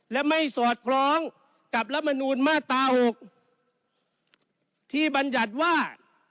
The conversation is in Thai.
และไม่สอดคล้องกับรัฐมนูลมาตรา๖ที่บรรยัติว่า